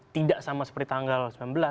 tidak sama seperti tanggal sembilan belas